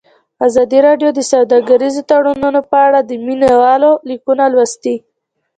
ازادي راډیو د سوداګریز تړونونه په اړه د مینه والو لیکونه لوستي.